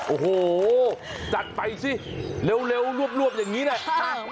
โอ้โหจัดไปสิเร็วรวบอย่างนี้แหละ